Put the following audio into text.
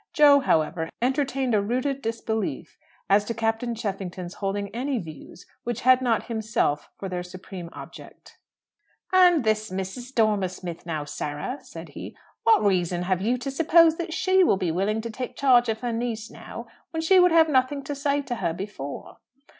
Jo, however, entertained a rooted disbelief as to Captain Cheffington's holding any "views" which had not himself for their supreme object. "And this Mrs. Dormer Smith, now, Sarah," said he. "What reason have you to suppose that she will be willing to take charge of her niece now, when she would have nothing to say to her before?"